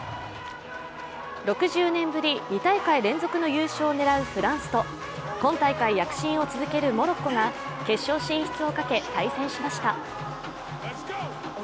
６０年ぶり、２大会連続の優勝を狙うフランスと今大会躍進を続けるモロッコが決勝進出をかけ対戦しました。